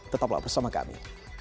tetaplah bersama kami